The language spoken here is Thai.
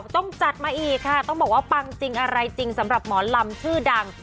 ต้องจัดมาอีกค่ะต้องบอกว่าปังจริงอะไรจริงสำหรับหมอลำชื่อดัง